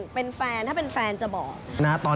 กุ๊บกิ๊บขอสงวนท่าที่ให้เวลาเป็นเครื่องที่สุดไปก่อน